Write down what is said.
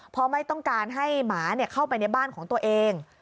เพราะไม่ต้องการให้หมาเข้าไปในบ้านของตัวเอง